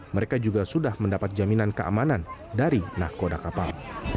mereka juga sudah mendapat jaminan keamanan dari nahkoda kapal